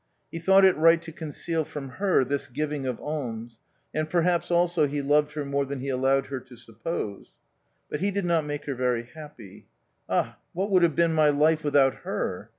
He thought it right to conceal from her this giving of alms, and perhaps also he loved her more than he allowed her to suppose. But he did not make her very happy. Ah, what would have been my life without her